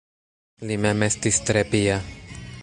Li mem estis tre pia.